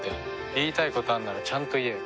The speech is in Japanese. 言いたいことがあるならちゃんと言えよ。